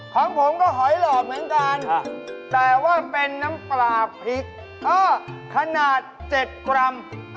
ของผมก็หอยหลอดเหมือนกันแต่ว่าเป็นน้ำปลาพริกขนาด๗กรัม